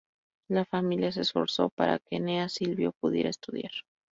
La familia se esforzó para que Eneas Silvio pudiera estudiar.